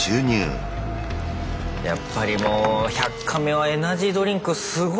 やっぱりもう「１００カメ」はエナジードリンクすごい出てくるよね。